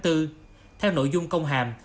theo nội dung công hàm